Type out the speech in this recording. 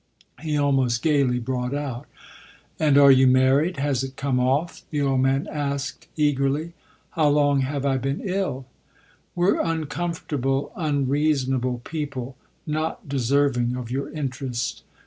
he almost gaily brought out. "And are you married has it come off?" the old man asked eagerly. "How long have I been ill?" "We're uncomfortable, unreasonable people, not deserving of your interest.